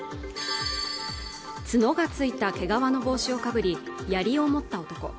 角がついた毛皮の帽子をかぶり槍を持った男